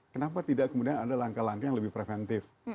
kenapa tidak kemudian ada langkah langkah yang lebih preventif